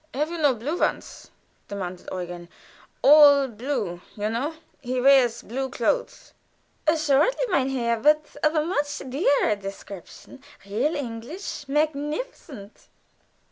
"Have you no blue ones?" demands Eugen. "All blue, you know. He wears blue clothes." "Assuredly, mein Herr, but of a much dearer description; real English, magnificent."